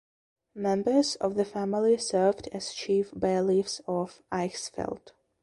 Members of the family served as chief bailiffs of Eichsfeld.